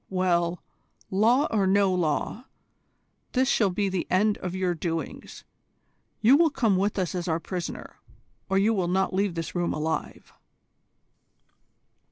Well, law or no law, this shall be the end of your doings. You will come with us as our prisoner, or you will not leave this room alive."